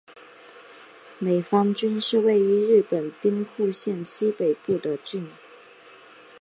美方郡是位于日本兵库县西北部的郡。